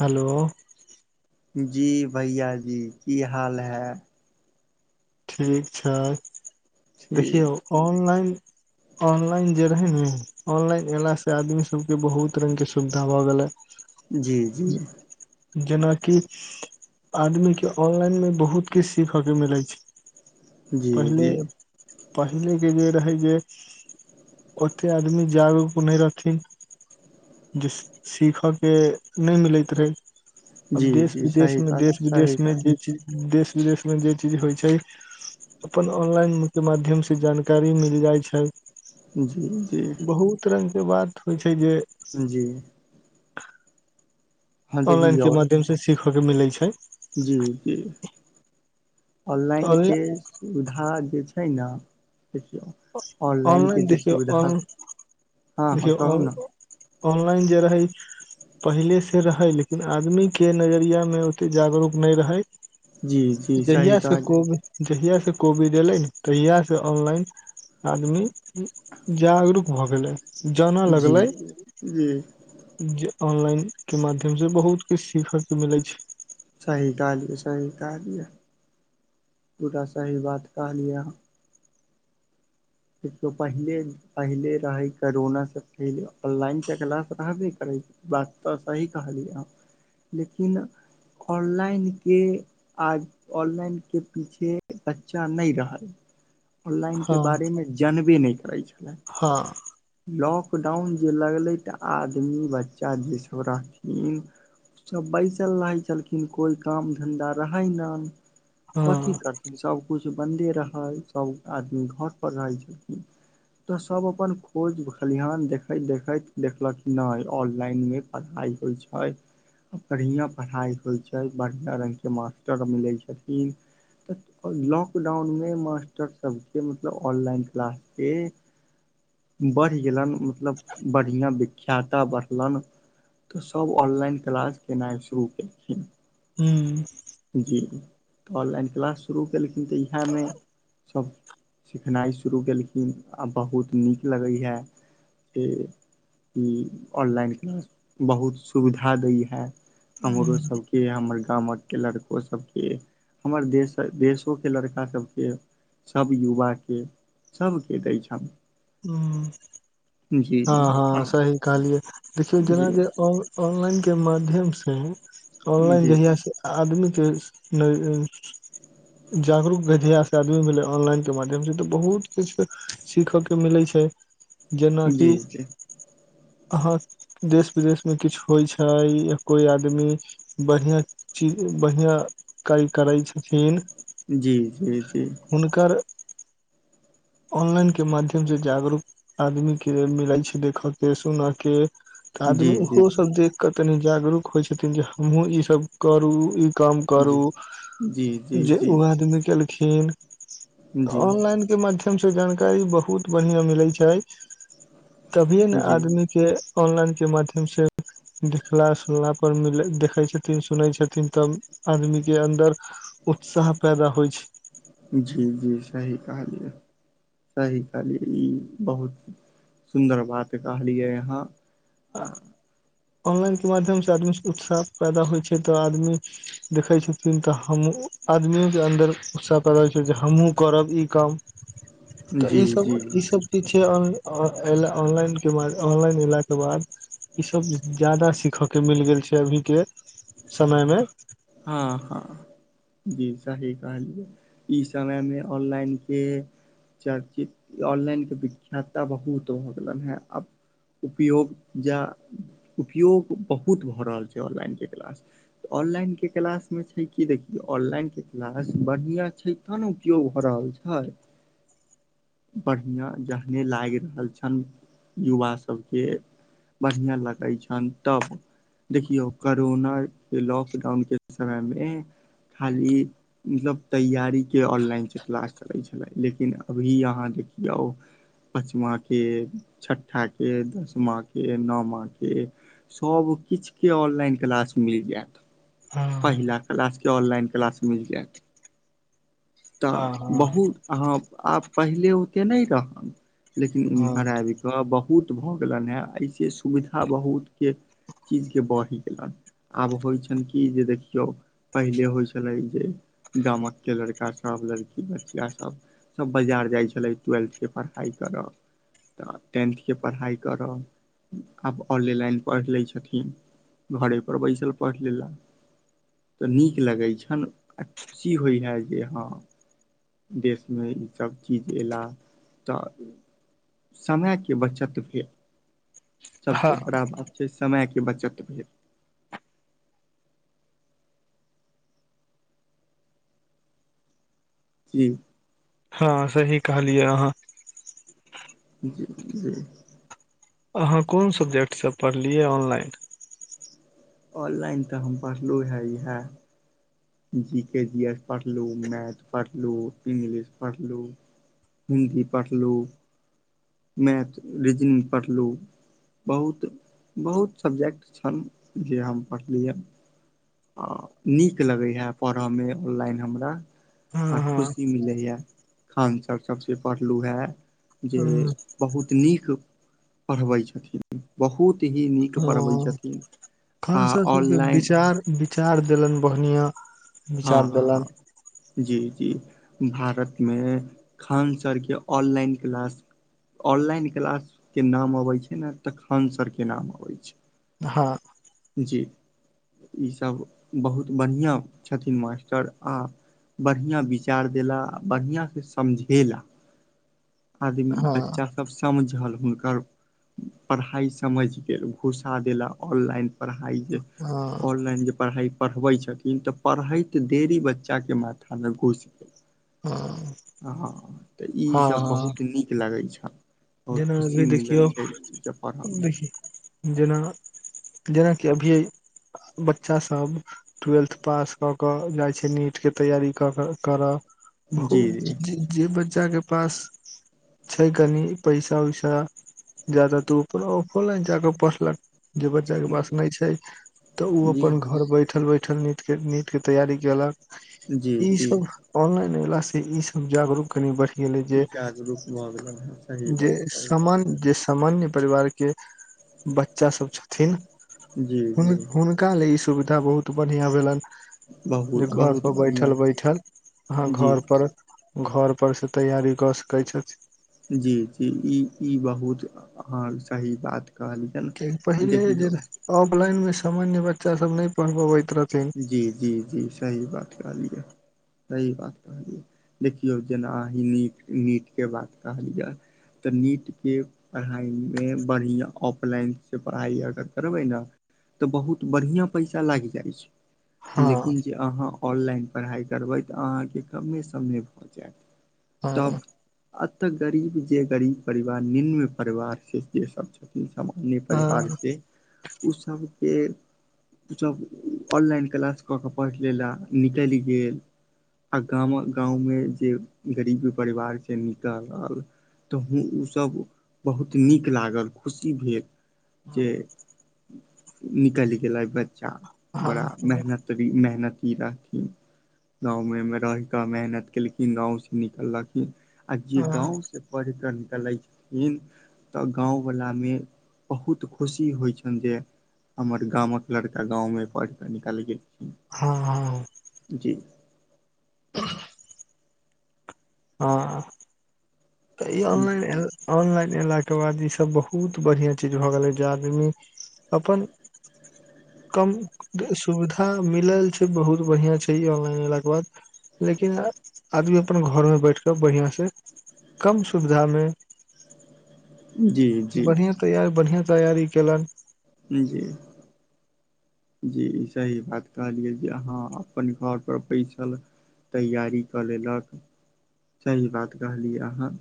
हलो। जी भैया जी की हाल हय? ठीक छै, ठीक देखियौ ऑनलाइन ऑनलाइन जे रहै नै ऑनलाइन ऐला से आदमी सबके बहुत रंग के सुविधा भऽ गेलै। जी-जी। जेनाकि आदमी के ऑनलाइन मे बहुत किछ सीखा के मिलय छै। जी जी पहिले-पहिले के जे रहय जे ओतय आदमी जागरुक नै रहथिन।। जे सीखा के नै मिलैत रहै जी अब जी देश-विदेश सही मे कहलियै सही देश-विदेश मे जे कहलियै चीज देश-विदेश में जे चीज होय छै अपन ऑनलाइन के माध्यम से जानकारी मिल जाय छै। जी-जी। तुरंते बात होय छै जे जी। हँ ऑनलाइन के माध्यम से सीखा के मिलय छै। जी-जी ऑनलाइन तऽ के स दुधा जे छै न, देखियौ ऑनलाइनके अ-ऑनलाइन जे देखियौ, सुविधा हँ ऑन हँ देखियौ कहू ऑन ने ऑनलाइन जे रहै पहिले सँ रहै लेकिन आदमी के नजरिया में ओतेक जागरूक नैय रहै। जी जी सही जहिया स कहलियै कोबी जहियास से कोबीड ऐलै न तहिया स ऑनलाइन आदमी जागरूक भऽ गेलै। जानऽ जी लगलै। जी जे ऑनलाइनके माध्यम सँ बहुत किछ सीखऽके मिलै छै। सही कहलियै सही कहलिये, पूरा सही बात कहलियै अहाँ। देखियौ पहिले पहिले रहैय करोना से पहिले ऑनलाइन त क्लास रहबे करै। बात तऽ सही कहलियै हं, लेकिन ऑनलाइन के आज ऑनलाइन के पीछे बच्चा नैय रहल। ऑनलाइनके हँ, बारेमे जानबे नहि करै छलै हँ। लॉकडाउन जे लगलै तऽ आदमी बच्चा जे सब रहथिन सब बैसल रहै छलखिन, कोइ काम धन्धा रहै न, हँ कथी कर सबकुछु बन्दे रहल, सब आदमी घर पर रहै छलखिन। तऽ सब अपन कोज खलिहान देखैत-देखैत देखलक नैय ऑनलाइन में परहाइ होइ छाइ। बढ़िया परहाइ होइ छै, बड़हियां रंग के मास्टर मिलै छथिन। तऽ लॉकडाउन में मास्टर सबके मतलब ऑनलाइन क्लास के बड़्हि गेलन मतलब बड़्हिआं बिक ख्याता बड़्हलैन तऽ सब ऑनलाइन क्लास केनाइ शुरू केलखिन। हम्म। जी, तऽ ऑनलाइन किलास शुरू केलखिन तऽ इहै मे सब सिखनाइ शुरू केलखिन, आ बहुत नीक लगै हैऽ। ए-ई ऑनलाइन किलास बहुत सुविधा दै हैऽ। हमरो सब के हमर गामक के लड़को सबके हमर देशर-देशो के लड़का सबके सब युवाके सबके दै छन। हुम्म। जी हँ-हँ हँ सही कहलियै, देखियौ जी जेना जे ऑन-ऑनलाइन के माध्यम सँ ऑनलाइन जी जहिया सँ आदमी के नैय जागरूक भे जहिया स आदमी मिलै ऑनलाइन के माध्यम सँ, तऽ बहुत किछु सीखय के मिलै छै। जेना जी कि जी अहाँ देश विदेश में किछु होइ छै, या कोइ आदमी बड़्हिआं चीज बड़्हियां कारी करै छथिन। जी-जी-जी। हुनकर ऑनलाइन के माध्यम स जागरूक आदमी के मिलै छै, देखऽ क, सुन क, तऽ आदमी जी ओहो जी सब देख क तनी जागरूक होइ छथिन, जे हमहुँ ई सब करू, ई कम करू, जी जी जी जी जे ओ आदमी के खीन, ऑनलाइन के माध्यम स जानकारी बहुत बन्हियां मिलै छै। तभिए न जी जी आदमी के ऑनलाइन के माध्यम से देखला सुनला पर मिल-देखै छथिन, सुनै छथिन, तब आदमी के अन्दर उत्साह पैदा होइ छै। जी जी सही कहलियै। सही कहलियै, ई बहुत सुन्दर बात कहलियै अहां। ऑनलाइनके माध्यमसँ आदमीसं उत्साह पैदा होइ छै तऽ आदमी देखै छथिन तऽ हम आदमियोके अन्दर उत्साह पैदा होइ छै जे हमहूँ करब ई काम। तऽ जी ईसभ, जी ई सब ठीक छै, आन ऑनलाइन ऑनलाइन एलाक के बाद ईसब जादा सीखऽके मिल गेल छै अभीके समयमे हँ हँ। जी सही कहलियै, ई समय मे ऑनलाइन के चर्चित ऑनलाइनके विख्याता बहुत भऽ गेलनि हेँ आब उपयोग जा उपयोग बहुत भऽ रहल छै ऑनलाइनके क्लास। ऑनलाइन के क्लास मे छै कि देखियौ ऑनलाइन के क्लास बढ़िया छै तखन ने उपयोग भ रहल छै। बढ़िया जहने लागि रहल छनि युवा सभके बढ़ियां लगै छनि तब देखियौ करोना के लॉकडाउन के समय मे खाली मतलब तैयारी के ऑनलाइन से क्लास चले छले लेकिन अभी यह हां देखियौ पाँचमाके, छठाके, दसमाके, नओमाके सब किछुके ऑनलाइन क्लास मिल जायत। हँ पहिला क्लास के ऑनलाइन क्लास मिल जायत तऽ हँ हँ बहुत अहाँ आब पहिले ओतेक नहि रहनि लेकिन हँ एमहर आबि कऽ बहुत भऽ गेलनि हेँ एहिसँ सुविधा बहुतके चीज के बही गेलनि। आब होइ छन की जे देखियो पहिले होइ छले जे गामक के लड़का सब सब लड़की बचिया सब, सब बाजार जाइ छले ट्वेल्थ के पढ़ाई करऽ तऽ टेंथके पढ़ाइ करऽ, आब ऑनेलाइन पढ़ि लैत छथिन। घड़े पर बैसल पढ़ि लेला। तऽ नीक लगै छनि आ खुशी होइ हे जे हँ देशमे ईसभ चीज अयला तऽ समयके बचत भेल, सबसँ हँ बड़ा बात छै समयके बचत भेल। जी। हँ सही कहलियै अहाँ। जी जी। अहाँ कोन सब्जेक्टसँ पढ़लियै ऑनलाइन? ऑनलाइन तऽ हम पढ़लु हेँ इएह। जी के, जी एस पढ़लु, मैथ पढ़लु, इंग्लिश पढ़लु हिन्दी पढ़लु मैथ, रिजनिंग पढ़लु। बहुत, बहुत सब्जेक्ट छल जे हम पढ़लियै ये। आ नीक लगैए पढ़ऽमे ऑनलाइन हमरा आ हँ हँ खुशी मिलैए, खान सर सबसँ पढ़लू रहैं। जे हँ बहुत नीक पढ़बै छथिन, बहुत ही नीक पढ़बै हां, छथिन खान आ सर सबके ऑनलाइन विचार विचार देलनि बनहिया हँ विचार हँ देलेन। हँ जी जी भारतमे खान सरके ऑनलाइन क्लास- - ऑनलाइन क्लास के नाम अबै छै ने तऽ खानसरके नाम अबै छै। हँ। जी ईसब बहुत बढ़ियाँ छथिन मास्टर आ- - बढ़ियाँ विचार देला आ बढ़ियाँसँ समझेला। आदमी हँ बच्चा सब समझल हुनकर- - पढ़ाइ समेझ के घूसा देला ऑनलाइन- - पढ़ाई जे हँ हँ ऑनलाइन जे पढ़ाई - - पढ़बै छथिन तऽ पढ़ैत देरी बच्चाके मेथा मे घुसि गेल। हँ अहँ तऽ ईसभ हँ बहुत नीक लगै छल। बहुत जेना अभी खुशी मिलै देखियौ छै जे पढ़ऽमे- - देखियौ जेना जेनाके अभीये बच्चासब- - टुवेल्थ पास कऽ कऽ जाइ छै नीटके तैयारी कऽ क करअ। जी बहुज जे बच्चा के पास छै कनि- - पैसा -वैसा जादा त उपर ऑफो लाइन जा क पढ़लक। जे बच्चा के पास नहि छै तऽ ओ जी अपन घर बैठ- - बैठल -बैठल नीट के नीट के तैयारी केलक जी जी ईसब- - ऑनलाइन अयला से ई सब जागरूक कनि बढ़ी- - जागरूक भऽ गेलैए। जे समान् जे समान्य परिवार के बच्चा सब छथिन। जी हुं जी हुनका ई सुविधा बहुत बढ़ियाँ भेलेन। जे बहुत बहुत घरपर बढ़िआँ बैठल- भेल बैठल अहाँ जी घर जी पर घर पर से तैयारी कऽ सकै छैथ। जी -जी, ई -ई बहुत अहाँ सही बात कहलिय। के पहिले जे ऑफलाइन मे सामान्य बच्चा सब न पढ़ बबैत रहथिन। जी जी जी सही बात कहलीया। सही बात कहलिय देखियौ जेना अहि नीट- नीट के बात कहलियै। तऽ नीटके- - पढ़ाइमे बढ़ियाँ ऑफलाइनसँ पढ़ाइ अगर करबै न- - तऽ बहुत बढ़ियाँ पैसा लागि जाइ छैई। हँ लेकिन जे अहाँ ऑनलाइन पढ़ाइ करबै तऽ अहाँके कमे समे भऽ जायत। हँ तब एतऽ गरीब जे गरीब परिवार निम्न परिवार छै सेसब छैई। जे छब अपने परिवार हँ छै उसब के उसब ऑनलाइन क्लास कऽ केऽ पढ़ लेला निकलि गेल। आ गाम गाँव मे जे गरीब परिवार छै निकल। तऽ हूँ ओसभ बहुत नीक लागल खुशी भेल जे निकल गेलै बच्चा बड़ा हँ मेहनत भी मेहनती रहथिन गाँव मे रहि का मेहनत केलखिन गाँव से निकललखिन आ जे हँ गाँव स जे पढिके निकलखिन तऽ गाँंव वाला मे बहुत खुशी होइ छनि जे हमर गामक लड़का गाँवमे पढिके निकेल गेलखिन - - - हँ हँ जी अहँ तऽ ई ऑनलाइन ऑनलाइन एयलाके बाद ईसब बहुत बढ़िआँ चीज भऽ गेलै जे आदमी अपन कम सुविधा मिलल छै बहुत बढ़िआँ छै यौ लगभग। लेकिन आदमी अपन घरमे बैठकेऽ बढ़िआँसँ कम सुविधा मे जी जी बढ़िआं तैयार बढ़िआँ तैयारी केलक जी जी ई सही बात कहलियै जे आहाँ अपन घरपर बैसल तैयारी कऽ लेलक सही बात कहलियै आहाँ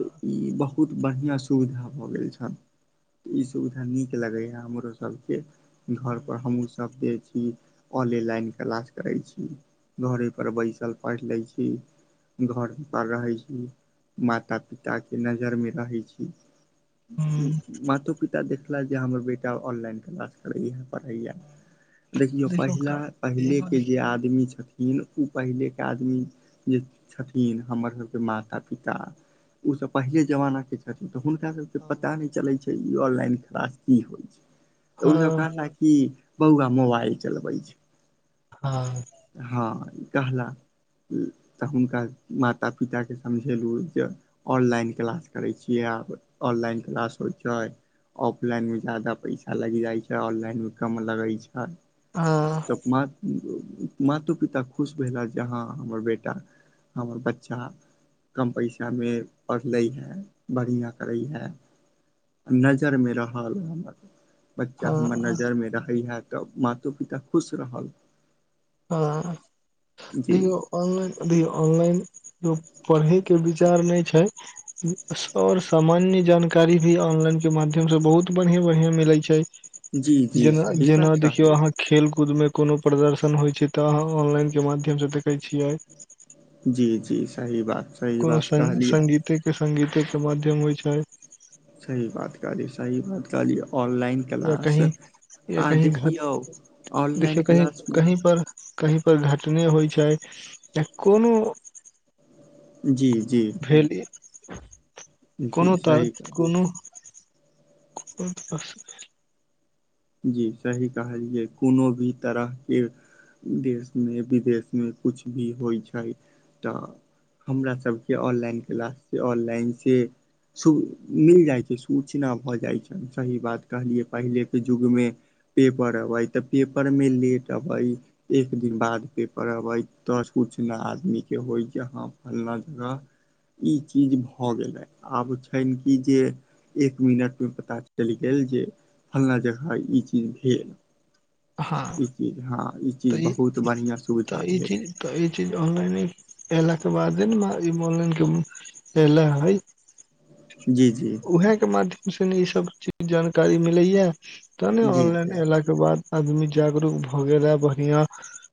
तऽ ई बहुत बढ़िआँ सुविधा भऽ गेल छल। ई सुविधा नीक लगेै हे हमरो सबके घर पर हमुहुँ सब देए छी ऑनेलाइन क्लास करै छी। घरे पर बैसल पैड़ लै छी। घर पर रहे छी माता पिता के नजर मे रहेै छी। हूं मातो पिता देखला जे हमर बेटा ऑनलाइन क्लास करैया। पढिया देखियौ पहिला का एगो पहिलेके जे देखियौ आदमी छथिन। इन उ पहिलेके आदमी जे छथिन हमर सबके माता पिता। उ सब पहिले जमाना के- तऽ हुनका सबके पता हँ नहि चलै छै ई ऑनलाइन क्लास की होय छै तऽ ओ सब हँ कहलक- कि बौआ मोबाइल चलबै छै। हँ। हँ कहला- तऽ हुनका माता पिता के समझेलू जे- ऑनलाइन क्लास करै छियै आब ऑनलाइन क्लास होय छैय। ऑफलाइनमे ज्यादा पैसा लैग जाय छै ऑनलाइनमे कम लगै छै। ह- तऽ मा मातो पिता खुश भेलाह जे हँ हमर बेटा। हमर बच्चा। कम पैसा मे पढ़लै हे बढ़िआँ करै हेए। नजर मे रहल हमरा। बच्चा हमर हँ नजर मे रहै है तऽ मातो पिता खुश रहल। हँ जी तयो ऑनलाइन अभी ऑनलाइन जो पढ़ैके विचार नै छै। सर सामान्य जानकारी भी ऑनलाइन के माध्यम से बहुत बढ़िआं बढ़िआं मिलै छै। जी जी जेना सही जेना बात देखियौ कहलियै आहाँक खेल कूद में कोनो प्रदर्शन होय छै तऽ आहाँ ऑनलाइन के माध्यम से देखेै छियै। जी, जी सही बात। सही कोनो बात सं कहलियै संगीते के संगीते के माध्यम होय छै। सही बात कहलियै सही बात कहलियै ऑनलाइन। या क्लास कहीं या आ कहीं घर देखियौ ऑनलाइन देखियौ कहीं क्लासमे कहीं पर- कही पर घटने होय छै तऽ कोनो। जी, जी। फेल इ जी कोनो तर सही कोनो- [unintelligible] जी सही कहलियै, कोनो भी तरह के देश में विदेश में कुछ भी होइ छै तऽ हमरा सब के ऑनलाइन क्लास स ऑनलाइन से सु मिल जाइ छय छै, सूचना भऽ जाइ छय, सही बात कहलियै पहिले युग मे, पेपर अबे, तऽ पेपर मे लेट अबय एक दिन बाद पेपर अबै, तऽ सुचना आदमी के होय, जे हँ फल्लाँ जगह ई चीज भ गेलै, आब छैन की जे एक मिनट मे पता चैल गेल, जे फलां जगह ई चीज भेल। हँ, ई चीज हँ चीज तऽ ई बहुत बढ़िआँ सुविधा तऽ ई भेल चीज तऽ ई चीज ऑनलाइने अयेला के बादे न, ई ऑनलाइनके ऐलय जी -जी वैह के माध्यम से ने इ सब चीज जानकारी मिलये तें न जी ऑनलाइन सर एला के बाद आदमी जागरूक भ गेले बढ़िया